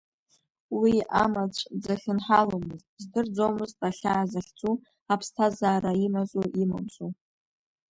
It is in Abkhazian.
Уи амаҵә дзахьынҳаломызт издырӡомызт ахьаа захьӡу, аԥсҭазаара имазу-имамзу.